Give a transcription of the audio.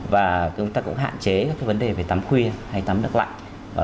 và chúng ta cũng hạn chế các vấn đề về tắm khuya hay tắm nước lạnh